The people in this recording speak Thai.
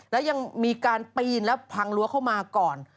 และยังมีการปีนและพังรั้วเข้ามาก่อน